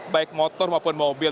baik motor maupun mobil